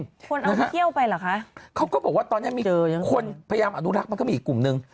คนเอาเที่ยวไปเหรอคะเขาก็บอกว่าตอนนี้มีคนพยายามอนุรักษ์มันก็มีอีกกลุ่มนึง